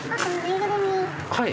はい。